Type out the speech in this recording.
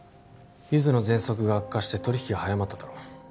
ゆづのぜんそくが悪化して取引が早まっただろ